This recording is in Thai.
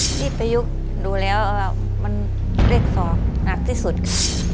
พี่ประยุกต์ดูแล้วมันเลข๒หนักที่สุดค่ะ